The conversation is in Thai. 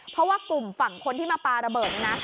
เพราะว่ากลุ่มฝั่งคนที่มาปลาระเบิดนี่นะ